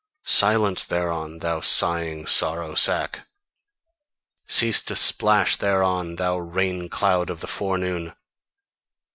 Silence THEREON, thou sighing sorrow sack! Cease to splash THEREON, thou rain cloud of the forenoon!